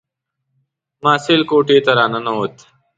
محصل کوټې ته را ننووت.